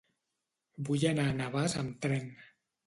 Vull anar a Navàs amb tren.